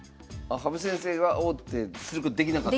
羽生先生が王手することできなかったんですか。